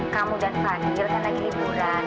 kamu dan fadli lagi liburan